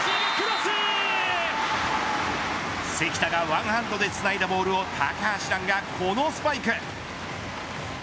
関田がワンハンドでつないだボールを高橋藍がこのスパイク。